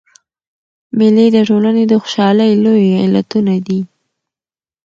مېلې د ټولني د خوشحالۍ لوی علتونه دي.